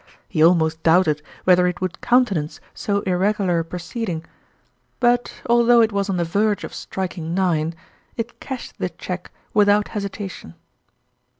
He almost doubted whether it would countenance so irregular a proceeding ; but, although it was on the verge of striking nine, it cashed the cheque without hesita tion.